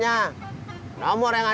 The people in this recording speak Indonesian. tidak dapat menjawab panggilan